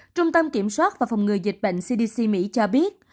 trung tâm kiểm soát và phòng ngừa dịch bệnh cdc mỹ cho biết